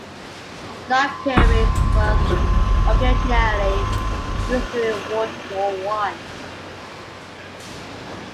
Knobkieries was occasionally used during World War One.